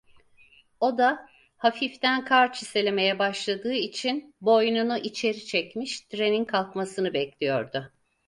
O da, hafiften kar çiselemeye başladığı için, boynunu içeri çekmiş, trenin kalkmasını bekliyordu.